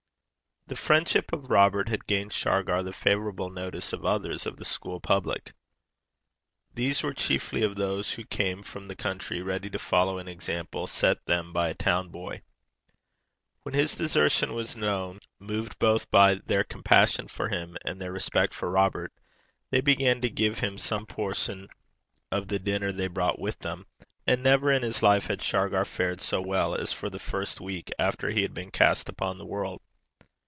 The friendship of Robert had gained Shargar the favourable notice of others of the school public. These were chiefly of those who came from the country, ready to follow an example set them by a town boy. When his desertion was known, moved both by their compassion for him, and their respect for Robert, they began to give him some portion of the dinner they brought with them; and never in his life had Shargar fared so well as for the first week after he had been cast upon the world.